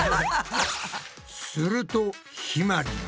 するとひまりが。